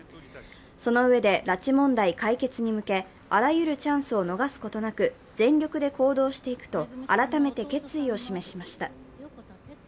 そのうえで、拉致問題解決に向け、あらゆるチャンスを逃すことなく全力で行動していくと改めて決意を示しました。